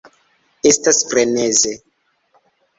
Estas freneze!